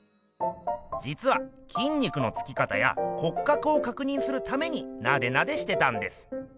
じつはきん肉のつき方や骨格をかくにんするためになでなでしてたんです。